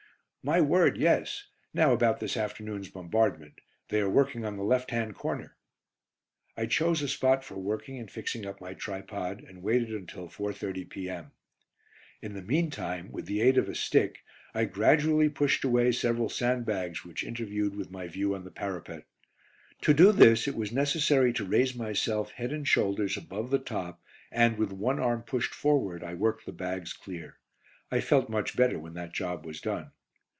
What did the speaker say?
"My word, yes. Now about this afternoon's bombardment; they are working on the left hand corner." I chose a spot for working and fixing up my tripod, and waited until 4.30 p.m. In the meantime, with the aid of a stick, I gradually pushed away several sandbags which interfered with my view on the parapet. To do this it was necessary to raise myself head and shoulders above the top and, with one arm pushed forward, I worked the bags clear. I felt much better when that job was done.